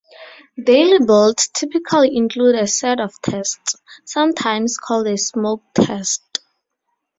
Daily builds typically include a set of tests, sometimes called a smoke test.